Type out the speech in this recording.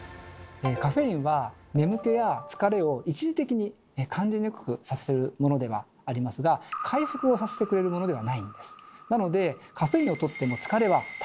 カフェインは眠気や疲れを一時的に感じにくくさせるものではありますが回復させてくれるものではないんです。